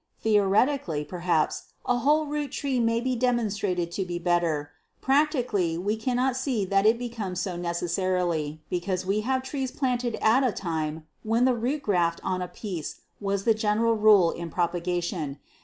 Theoretically perhaps a whole root tree may be demonstrated to be better; practically, we cannot see that it becomes so necessarily, because we have trees planted at a time when the root graft on a piece was the general rule in propagation.